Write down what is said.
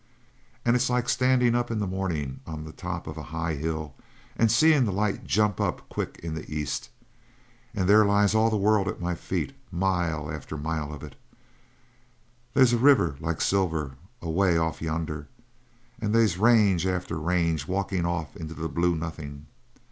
"And it's like standin' up in the mornin' on the top of a high hill and seein' the light jump up quick in the east, and there lies all the world at my feet, mile after mile of it they's a river like silver away off yonder and they's range after range walkin' off into a blue nothing.